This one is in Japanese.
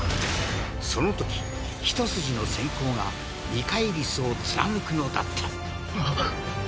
そのときひと筋の閃光がミカエリスを貫くのだったなっ。